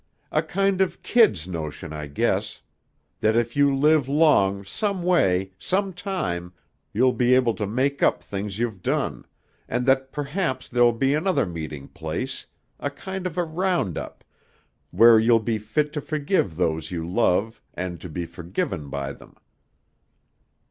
"A kind of kid's notion, I guess, that if you live along, some way, some time, you'll be able to make up for things you've done, and that perhaps there'll be another meeting place a kind of a round up where you'll be fit to forgive those you love and to be forgiven by them."